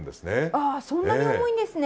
あそんなに重いんですね。